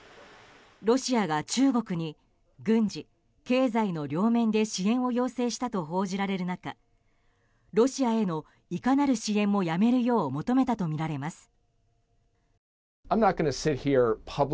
ロシアが中国に軍事・経済の両面で支援を要請したと報じられる中、ロシアへのいかなる支援もやめるよう求めたとみられます。